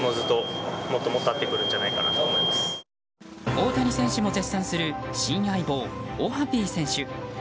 大谷選手も絶賛する新相棒、オハピー選手。